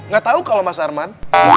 ga tau kalo mas arman